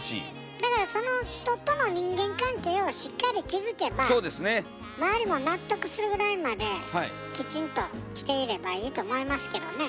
だからその人との人間関係をしっかり築けば周りも納得するぐらいまできちんとしていればいいと思いますけどね。